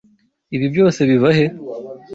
Ibi byose biva he?